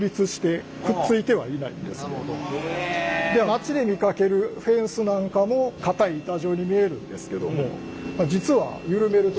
街で見かけるフェンスなんかも硬い板状に見えるんですけども実は緩めると軟らかい。